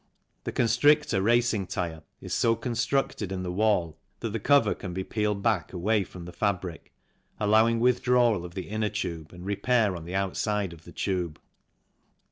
The Constrictor racing tyre is so constructed in the wall that the cover can be peeled back away from the fabric, allowing withdrawal of the inner tube and repair on the outside of the tube.